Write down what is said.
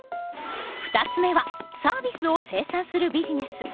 ２つ目はサービスを生産するビジネス。